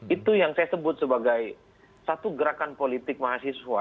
itu yang saya sebut sebagai satu gerakan politik mahasiswa